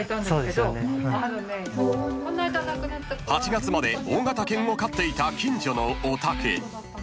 ［８月まで大型犬を飼っていた近所のお宅］